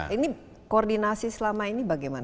ini koordinasi selama ini bagaimana